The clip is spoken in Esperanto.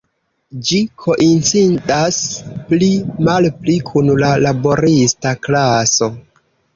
Ĝi koincidas pli malpli kun la laborista klaso.